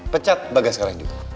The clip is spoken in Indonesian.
pecat bagas sekarang juga